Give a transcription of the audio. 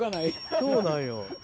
そうなんよ。